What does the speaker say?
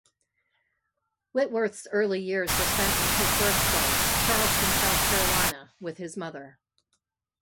Whitworth's early years were spent in his birthplace, Charleston, South Carolina, with his mother.